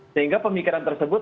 sehingga pemikiran tersebut